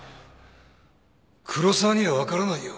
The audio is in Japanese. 黒沢には分からないよ。